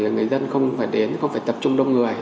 người dân không phải đến không phải tập trung đông người